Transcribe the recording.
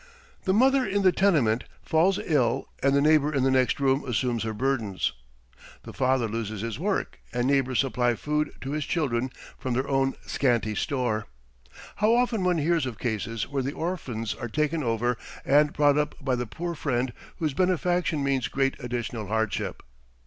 The mother in the tenement falls ill and the neighbour in the next room assumes her burdens. The father loses his work, and neighbours supply food to his children from their own scanty store. How often one hears of cases where the orphans are taken over and brought up by the poor friend whose benefaction means great additional hardship!